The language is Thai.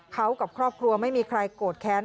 เขากับครอบครัวไม่มีใครโกรธแค้น